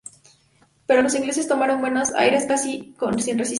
Pero los ingleses tomaron Buenos Aires casi sin resistencia.